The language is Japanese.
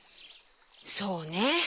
そうね。